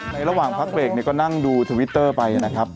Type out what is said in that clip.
ระหว่างพักเบรกก็นั่งดูทวิตเตอร์ไปนะครับ